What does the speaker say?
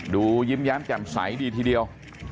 ยิ้มแย้มแจ่มใสดีทีเดียว